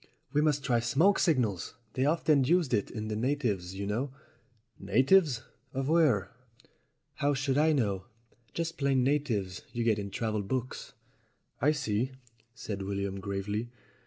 "We must try smoke signals. They're often used by the natives, you know." "Natives of where?" "How should I know? Just plain natives you get in travel books." "I see," said William gravely.